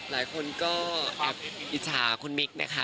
หลายคนก็อิจฉาคุณมิกนะคะ